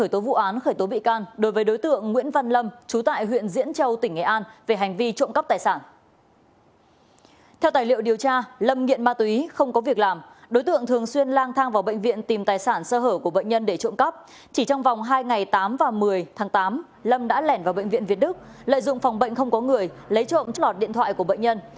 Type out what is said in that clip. tháng tám lâm đã lẻn vào bệnh viện việt đức lợi dụng phòng bệnh không có người lấy trộm trộm lọt điện thoại của bệnh nhân